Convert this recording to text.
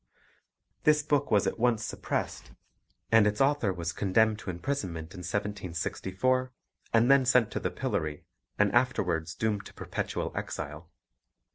This book was at once suppressed, and its author was condemned to imprisonment in 1764, and then sent to the pillory, and afterwards doomed to perpetual exile.